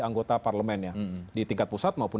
anggota parlemennya di tingkat pusat maupun